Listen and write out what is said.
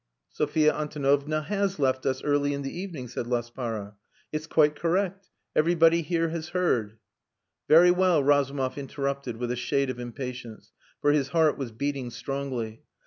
"Sophia Antonovna has left us early in the evening," said Laspara. "It's quite correct. Everybody here has heard...." "Very well," Razumov interrupted, with a shade of impatience, for his heart was beating strongly.